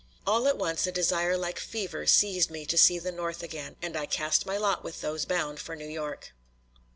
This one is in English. All at once a desire like a fever seized me to see the North again and I cast my lot with those bound for New York.